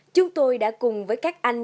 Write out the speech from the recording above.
chúng tôi đã cùng với các anh